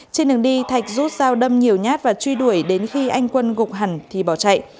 trên đường đi thạch rút dao đâm nhiều nhát và truy đuổi đến khi anh quân gục hẳn thì bỏ chạy